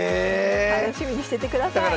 楽しみにしててください。